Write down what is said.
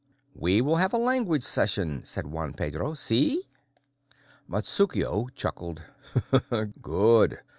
"We will have a language session," said Juan Pedro. "Si?" Matsukuo chuckled. "Good!